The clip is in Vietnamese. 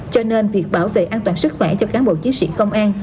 cho nên việc bảo vệ an toàn sức khỏe cho cán bộ chiến sĩ công an